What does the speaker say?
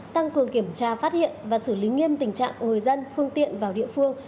tăng cường kiểm tra phát hiện và xử lý nghiêm tình trạng người dân phương tiện vào địa phương